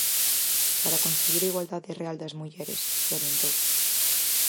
Para conseguir a igualdade real das mulleres, salientou.